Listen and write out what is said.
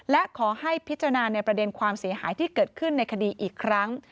และขอให้พิจารณาในประเด็นความเสียหายที่เกิดขึ้นในคดีอีกครั้ง